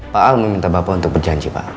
pak al meminta bapak untuk berjanji pak